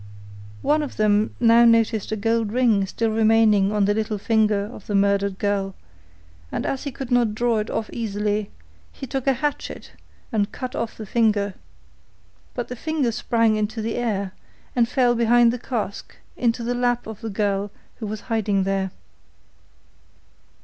One of them now noticed a gold ring still remaining on the little finger of the murdered girl, and as he could not draw it off easily, he took a hatchet and cut off the finger; but the finger sprang into the air, and fell behind the cask into the lap of the girl who was hiding there.